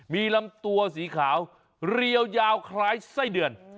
มีลำตัวสีขาวเรียวยาวคล้ายไส้เดือน